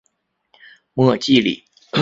莫济里。